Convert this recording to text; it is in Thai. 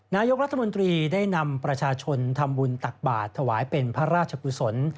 นายกรัฐมนตรีได้นำประชาชนทำบุญตักบาทถวายเป็นพระราชกุศล